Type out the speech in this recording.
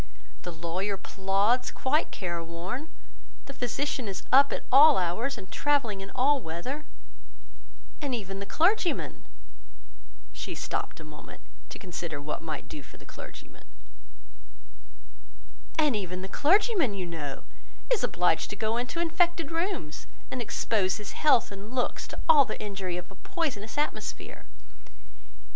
The lawyer plods, quite care worn; the physician is up at all hours, and travelling in all weather; and even the clergyman—" she stopt a moment to consider what might do for the clergyman;—"and even the clergyman, you know is obliged to go into infected rooms, and expose his health and looks to all the injury of a poisonous atmosphere.